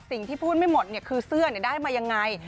สิ่งที่พูดไม่หมดเนี่ยคือเสื้อเนี่ยได้มายังไง